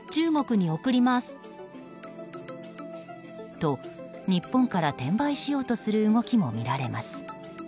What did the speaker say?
と、日本から転売しようとする動きも見られます。